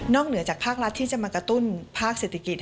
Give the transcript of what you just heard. นอกเหนือจากภาครักษ์ที่จะมากระตุ้นภาครักษ์เศรษฐกิจ